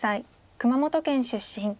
熊本県出身。